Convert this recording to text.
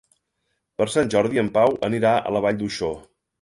Per Sant Jordi en Pau anirà a la Vall d'Uixó.